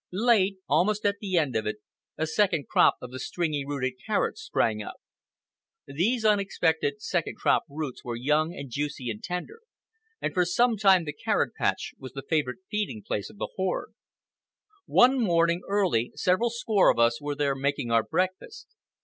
Late, almost at the end of it, a second crop of the stringy rooted carrots sprang up. These unexpected second crop roots were young and juicy and tender, and for some time the carrot patch was the favorite feeding place of the horde. One morning, early, several score of us were there making our breakfast.